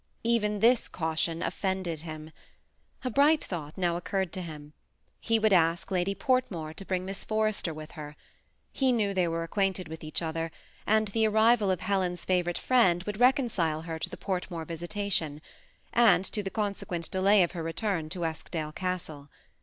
Even tills caution offended him. A bright thought now occurred to him ; he would ask Lady Portmore to bring Miss Forrester with her. He knew they were ac quainted with each other, and the arrival of Helen's favorite friend would reconcile her to the Portmore vis itation, and to the consequent delay of her return to Eskdale Castle.